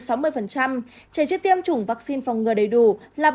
trẻ chưa tiêm chủng vaccine phòng ngừa đầy đủ là bảy mươi hai